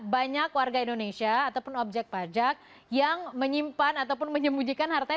banyak warga indonesia ataupun objek pajak yang menyimpan ataupun menyembunyikan hartanya